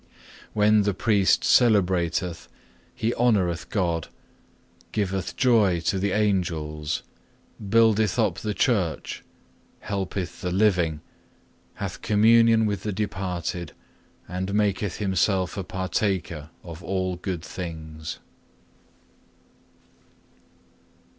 When the priest celebrateth, he honoureth God, giveth joy to the Angels, buildeth up the Church, helpeth the living, hath communion with the departed, and maketh himself a partaker of all good things.